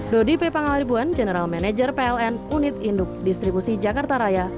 dodi p pangalaribuan general manager pln unit induk distribusi jakarta raya